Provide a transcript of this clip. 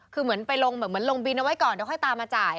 บินเอาไว้ก่อนเดี๋ยวค่อยตามมาจ่าย